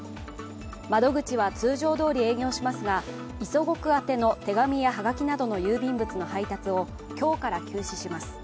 窓口は通常どおり営業しますが磯子区宛ての手紙やはがきなどの郵便物の配達を今日から休止します。